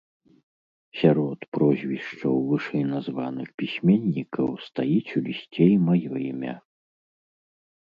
Сярод прозвішчаў вышэйназваных пісьменнікаў стаіць у лісце і маё імя.